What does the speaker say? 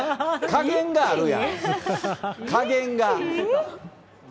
加減があるやん、加減が。